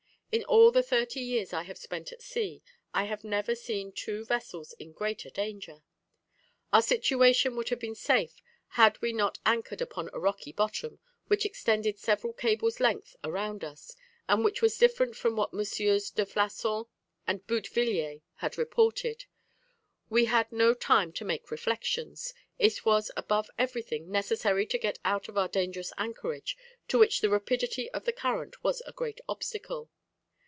In all the thirty years I have spent at sea, I have never seen two vessels in greater danger. Our situation would have been safe had we not anchored upon a rocky bottom, which extended several cables' length around us, and which was different from what MM. de Flasson and Boutevilliers had reported. We had no time to make reflections; it was above everything necessary to get out of our dangerous anchorage, to which the rapidity of the current was a great obstacle."